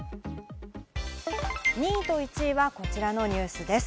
２位と１位はこちらのニュースです。